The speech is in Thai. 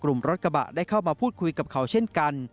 กลุ่มรถกระบะได้เข้ามาพูดคุยกับเขาเช่นกัน